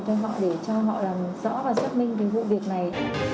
tôi phải truyền cho họ để cho họ làm rõ và xác minh về vụ việc này